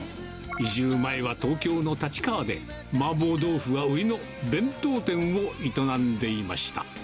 移住前は東京の立川で、マーボー豆腐が売りの弁当店を営んでいました。